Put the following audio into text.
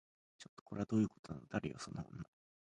ちょっと、これはどういうことなの？誰よその女